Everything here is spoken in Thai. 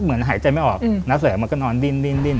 เหมือนหายใจไม่ออกนักเสริมก็นอนดิน